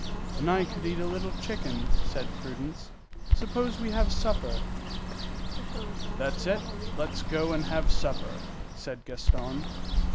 "And I could eat a little chicken," said Prudence. "Suppose we have supper?" "That's it, let's go and have supper," said Gaston.